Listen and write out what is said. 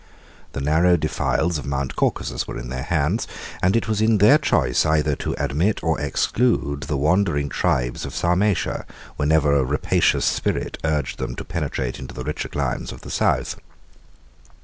The narrow defiles of Mount Caucasus were in their hands, and it was in their choice, either to admit or to exclude the wandering tribes of Sarmatia, whenever a rapacious spirit urged them to penetrate into the richer climes of the South.